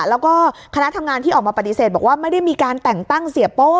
แล้วก็คณะทำงานที่ออกมาปฏิเสธบอกว่าไม่ได้มีการแต่งตั้งเสียโป้